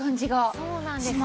そうなんですよ。